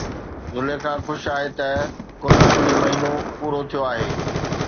زليخا خوش آهي ته ڪنعان جو مهينو پورو ٿيو آهي